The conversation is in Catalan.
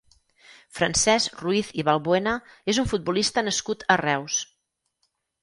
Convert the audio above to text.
Francesc Ruiz i Valbuena és un futbolista nascut a Reus.